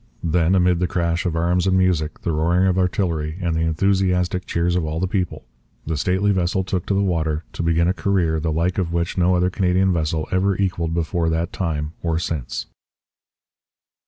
Then, amid the crash of arms and music, the roaring of artillery, and the enthusiastic cheers of all the people, the stately vessel took the water, to begin a career the like of which no other Canadian vessel ever equalled before that time or since.